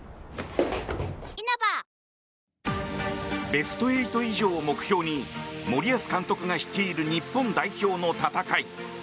ベスト８以上を目標に森保監督が率いる日本代表の戦い。